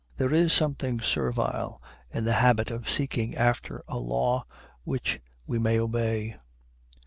There is something servile in the habit of seeking after a law which we may obey.